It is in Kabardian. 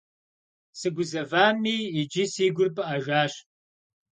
Сыгузэвами, иджы си гур пыӀэжащ.